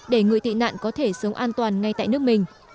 để người tị nạn có thể sống an toàn ngay tại nước mình